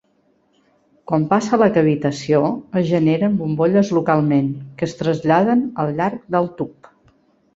Quan passa la cavitació, es generen bombolles localment, que es traslladen al llarg del tub.